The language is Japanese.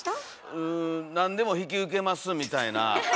うん何でも引き受けますみたいな。